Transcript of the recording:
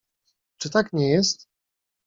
"Czy tak nie jest?"